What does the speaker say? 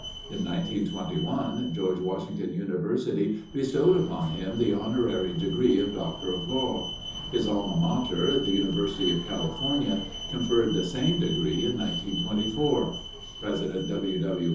In 1921 George Washington University bestowed upon him the honorary degree of Doctor of Law. His alma mater, the University of California, conferred the same degree in 1924. President W. W.